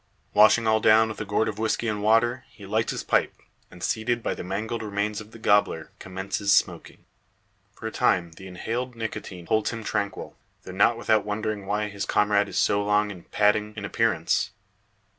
Washing all down with a gourd of whisky and water, he lights his pipe; and, seated by the mangled remains of the gobbler, commences smoking. For a time the inhaled nicotine holds him tranquil; though not without wondering why his comrade is so long in patting in an appearance.